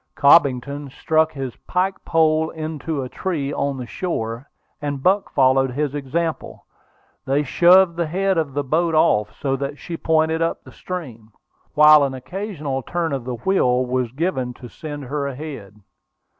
Cobbington struck his pike pole into a tree on the shore, and Buck followed his example. They shoved the head of the boat off, so that she pointed up the stream, while an occasional turn of the wheel was given to send her ahead.